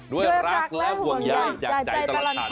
ด้วยรักและห่วงใยจากใจตลอดข่าว